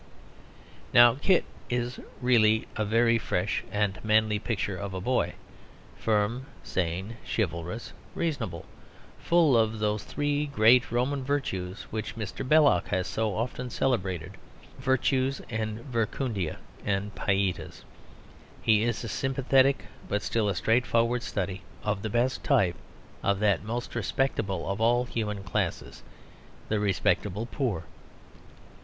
Now Kit is really a very fresh and manly picture of a boy, firm, sane, chivalrous, reasonable, full of those three great Roman virtues which Mr. Belloc has so often celebrated, virtus and verecundia and pietas. He is a sympathetic but still a straightforward study of the best type of that most respectable of all human classes, the respectable poor.